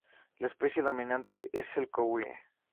La especie dominante es el coihue.